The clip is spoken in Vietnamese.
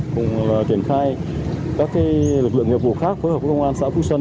cùng kiểm khai các lực lượng nhiệm vụ khác phối hợp với công an xã phú xuân